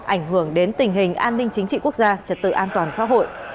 ảnh hưởng đến tình hình an ninh chính trị quốc gia trật tự an toàn xã hội